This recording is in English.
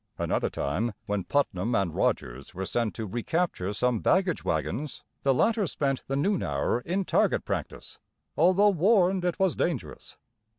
Another time, when Putnam and Rogers were sent to recapture some baggage wagons, the latter spent the noon hour in target practice, although warned it was dangerous.